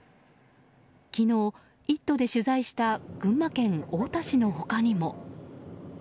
昨日、「イット！」で取材した群馬県太田市の他にも。